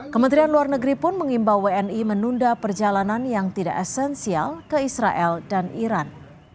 kementerian luar negeri pun mengimbau wni menunda perjalanan yang tidak esensial ke israel dan iran